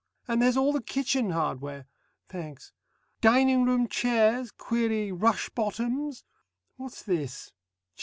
And there's all the Kitchen Hardware! (Thanks.) Dining room chairs query rush bottoms? What's this?